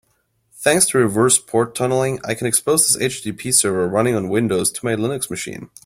Thanks to reverse port tunneling, I can expose this HTTP server running on Windows to my Linux machine.